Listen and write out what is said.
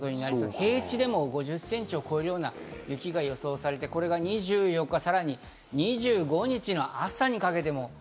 平地でも５０センチを超えるような雪が予想されて、これが２４日、さらに２５日の朝にかけても。